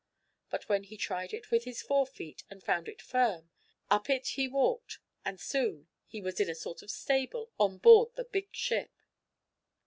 But when he tried it with his fore feet, and found it firm, up it he walked and soon he was in a sort of stable, on board the big ship.